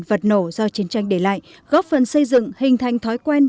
vật nổ do chiến tranh để lại góp phần xây dựng hình thành thói quen